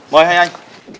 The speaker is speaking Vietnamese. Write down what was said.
mời hai anh